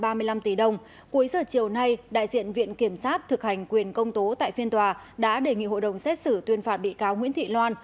ba mươi năm tỷ đồng cuối giờ chiều nay đại diện viện kiểm sát thực hành quyền công tố tại phiên tòa đã đề nghị hội đồng xét xử tuyên phạt bị cáo nguyễn thị loan